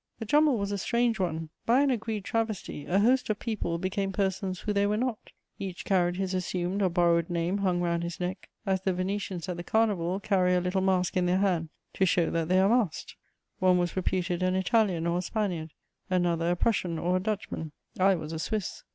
The jumble was a strange one: by an agreed travesty, a host of people became persons who they were not; each carried his assumed or borrowed name hung round his neck, as the Venetians at the carnival carry a little mask in their hand to show that they are masked. One was reputed an Italian or a Spaniard, another a Prussian or a Dutchman: I was a Swiss.